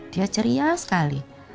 dia ceria sekali